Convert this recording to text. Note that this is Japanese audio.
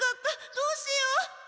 どうしよう？